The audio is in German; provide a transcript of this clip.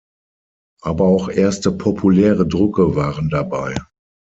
Aber auch erste populäre Drucke waren dabei.